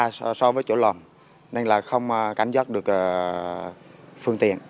ở rất xa so với chỗ lòng nên là không cánh dắt được phương tiện